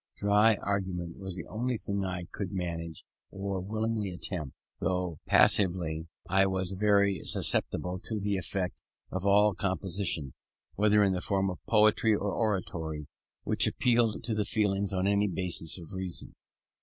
Dry argument was the only thing I could, manage, or willingly attempted; though passively I was very susceptible to the effect of all composition, whether in the form of poetry or oratory, which appealed to the feelings on any basis of reason.